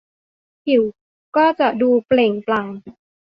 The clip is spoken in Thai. ผิวก็จะดูเปล่งปลั่ง